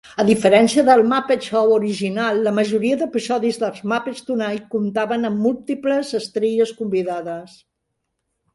A diferència del "Muppet Show" original, la majoria d'episodis dels "Muppets Tonight" comptaven amb múltiples estrelles convidades.